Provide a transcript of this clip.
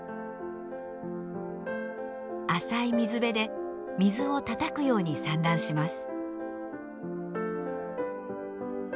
浅い水辺で水をたたくように産卵します。